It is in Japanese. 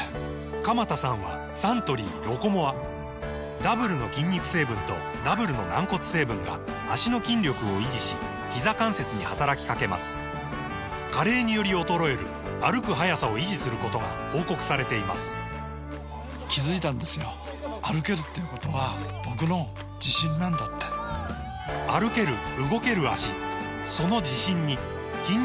鎌田さんはサントリー「ロコモア」ダブルの筋肉成分とダブルの軟骨成分が脚の筋力を維持しひざ関節に働きかけます加齢により衰える歩く速さを維持することが報告されています歩ける動ける脚その自信に筋肉成分と軟骨成分